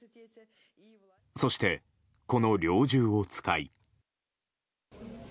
そして、この猟銃を使い。